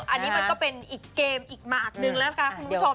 อันนี้มันก็เป็นอีกเกมอีกมากหนึ่งแล้วนะคะคุณผู้ชม